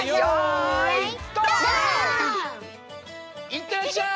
いってらっしゃい！